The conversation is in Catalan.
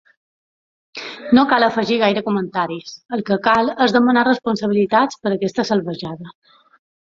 No cal afegir gaire comentaris, el que cal és demanar responsabilitats per aquesta salvatjada.